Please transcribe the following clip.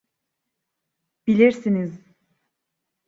Bilirsiniz…